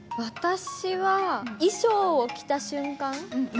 私は衣装を着た瞬間。